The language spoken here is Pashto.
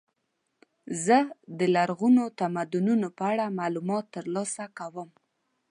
زه د لرغونو تمدنونو په اړه معلومات ترلاسه کوم.